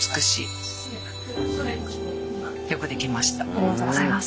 ありがとうございます。